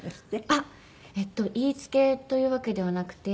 あっ言いつけというわけではなくて。